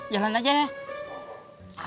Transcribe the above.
jalan aja ya